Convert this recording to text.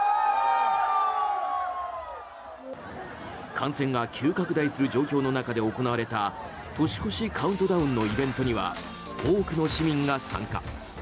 感染が急拡大する中で行われた年越しカウントダウンのイベントには多くの市民が参加。